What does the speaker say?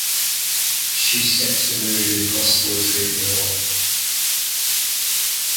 She sets a mood impossible to ignore.